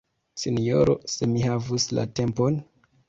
Sinjoro, se mi havus la tempon!